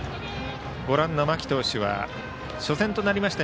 間木投手は初戦となりました